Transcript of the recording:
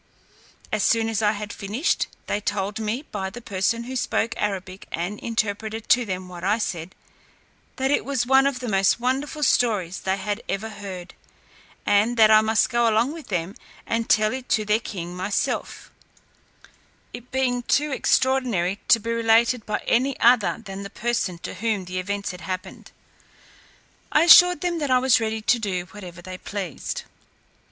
As soon as I had finished, they told me, by the person who spoke Arabic and interpreted to them what I said, that it was one of the most wonderful stories they had ever heard, and that I must go along with them, and tell it their king myself; it being too extraordinary to be related by any other than the person to whom the events had happened. I assured them that I was ready to do whatever they pleased.